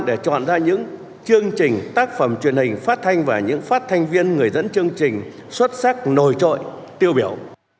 để chọn ra những chương trình tác phẩm truyền hình phát thanh và những phát thanh viên người dẫn chương trình xuất sắc nổi trội tiêu biểu